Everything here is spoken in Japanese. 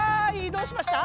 どうしました？